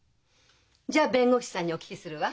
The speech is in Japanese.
じゃあ弁護士さんにお聞きするわ。